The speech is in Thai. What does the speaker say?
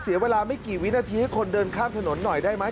เสียเวลาไม่กี่วินาทีให้คนเดินข้ามถนนหน่อยได้ไหม